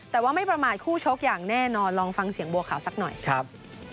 แต่ว่าไม่ประมาทคู่ชกอย่างแน่นอนลองฟังเสียงบัวขาวสักหน่อยครับ